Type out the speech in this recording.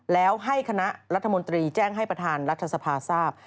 แล้วให้คณะรัฐมนตรีแจ้งให้ประธานรัฐสภาทราบ